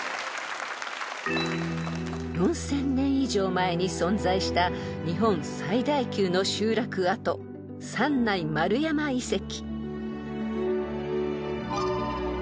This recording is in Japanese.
［４，０００年以上前に存在した日本最大級の集落跡三内丸山遺跡］